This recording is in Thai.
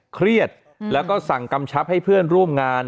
เครียดแล้วก็สั่งกำชับให้เพื่อนร่วมงาน